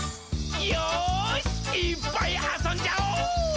よーし、いーっぱいあそんじゃお！